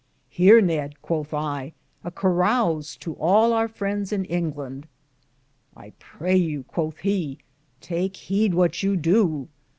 Hear, Nede, cothe I, a carrouse to all our frendes in Inglande. I pray you, cothe he, take heede what you dow.